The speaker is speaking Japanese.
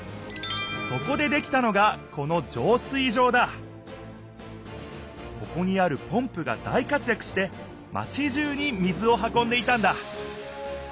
そこでできたのがこのここにあるポンプが大活やくしてマチじゅうに水を運んでいたんだ。